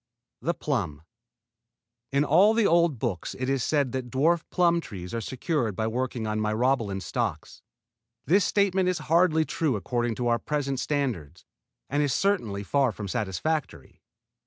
THE PLUM In all the old books it is said that dwarf plum trees are secured by working on Myrobalan stocks. This statement is hardly true according to our present standards, and is certainly far from satisfactory.